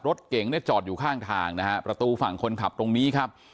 รถเก๋งเนี่ยจอดอยู่ข้างทางนะฮะประตูฝั่งคนขับตรงนี้ครับ